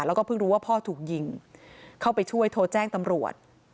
แล้วก็เพิ่งรู้ว่าพ่อถูกยิงเข้าไปช่วยโทรแจ้งตำรวจ